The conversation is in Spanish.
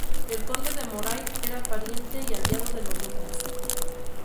El Conde de Moray era pariente y aliado de los Douglas.